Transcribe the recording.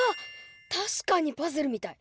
確かにパズルみたい！